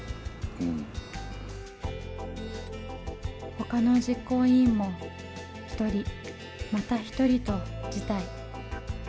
ほかの実行委員も一人また一人と辞退。